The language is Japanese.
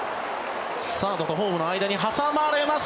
サードとホームの間に挟まれます。